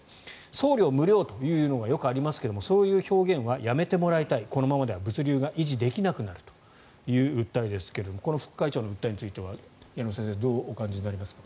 送料無料というのがよくありますがそういう表現はやめてもらいたいこのままでは物流が維持できなくなるという訴えですがこの副会長の訴えについては矢野先生どうお考えになりますか。